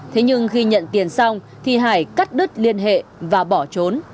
thế nhưng khi nhận tiền xong thì hải cắt đứt liên hệ và bỏ trốn